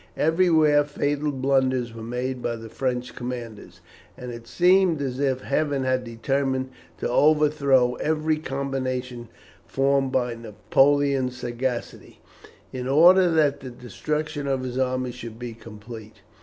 Everywhere fatal blunders were made by the French commanders, and it seemed as if Heaven had determined to overthrow every combination formed by Napoleon's sagacity, in order that the destruction of his army should be complete.